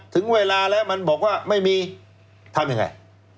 ถึงเวลาแล้วมันบอกว่าไม่มีทำยังไง